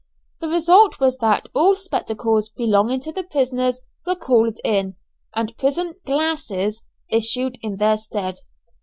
The result was that all spectacles belonging to the prisoners were called in, and prison "glasses" issued in their stead.